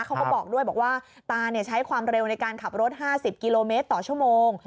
เขาก็บอกด้วยบอกว่าตาใช้ความเร็วในการขับรถ๕๐กิโลเมตรต่อชั่วโมง